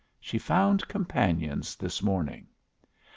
She found companions this morning.